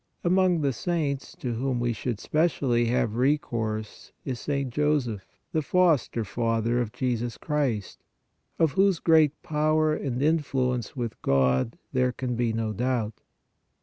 Among the saints to whom we should specially have recourse is St. Joseph, the foster father of Jesus Christ, of whose great power and influence with God there can be no doubt.